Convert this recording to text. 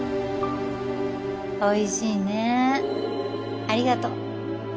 おいしいねえありがとう